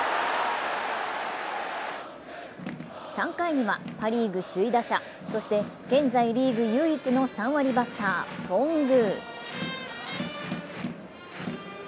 ３回にはパ・リーグ首位打者そして現在リーグ唯一の３割バッター・頓宮。